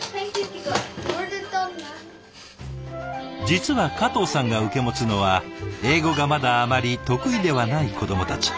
実は加藤さんが受け持つのは英語がまだあまり得意ではない子どもたち。